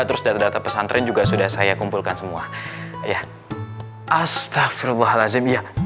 terus data data pesantren juga sudah saya kumpulkan semua ya astagfirullahaladzim ya